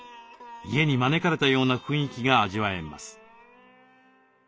家に招かれたような雰囲気が味わえます。